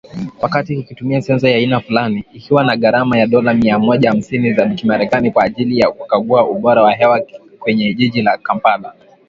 Wakati kikitumia sensa ya aina fulani, ikiwa na gharama ya dola mia moja hamsini za kimerekani kwa ajili ya kukagua ubora wa hewa kwenye jiji la Kampala